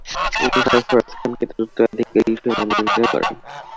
তিনি সরফরাজ খানকে তার উত্তারীকারী হিসেবে মনোনীত করেন।